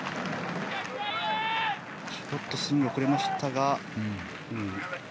ちょっとスイングが遅れましたが。